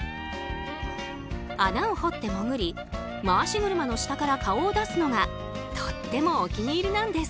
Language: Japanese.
穴を掘って潜り回し車の下から顔を出すのがとってもお気に入りなんです。